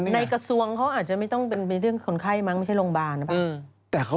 ในกระทรวงเขาอาจจะไม่ต้องเป็นเรื่องคนไข้มั้งไม่ใช่โรงพยาบาลหรือเปล่า